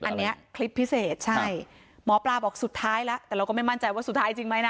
อันนี้คลิปพิเศษใช่หมอปลาบอกสุดท้ายแล้วแต่เราก็ไม่มั่นใจว่าสุดท้ายจริงไหมนะ